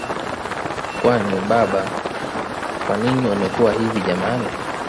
Kwani baba kwanini umekuwa hivi jamani